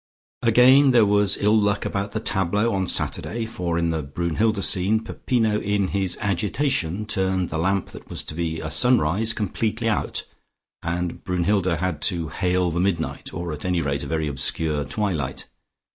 Again there was ill luck about the tableaux on Saturday, for in the Brunnhilde scene, Peppino in his agitation, turned the lamp that was to be a sunrise, completely out, and Brunnhilde had to hail the midnight, or at any rate a very obscure twilight.